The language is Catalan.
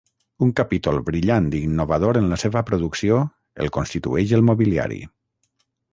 Un capítol brillant i innovador en la seva producció el constitueix el mobiliari.